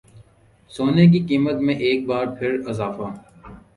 سونے کی قیمت میں ایک بار پھر اضافہ